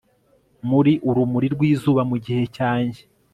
muri urumuri rwizuba mu gihe cyanjye